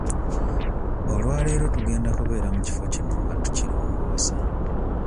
Olwaleero tugenda kubeera mu kifo kino nga tukirongoosa.